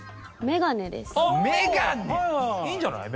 メガネ！いいんじゃない？